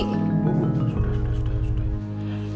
sudahlah sudah sudah